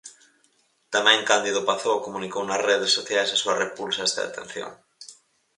Tamén Cándido Pazó comunicou nas redes sociais a súa repulsa a esta detención.